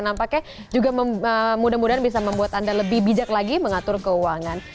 nampaknya juga mudah mudahan bisa membuat anda lebih bijak lagi mengatur keuangan